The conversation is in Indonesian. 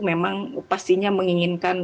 memang pastinya menginginkan